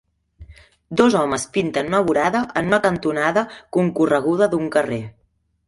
Dos homes pinten una vorada en una cantonada concorreguda d'un carrer.